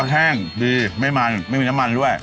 แห้งดีไม่มันไม่มีน้ำมันด้วย